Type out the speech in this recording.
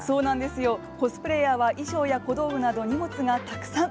コスプレイヤーは、衣装や小道具など荷物がたくさん。